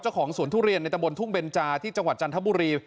สวนทุเรียนในตะบนทุ่งเบนจาที่จังหวัดจันทบุรี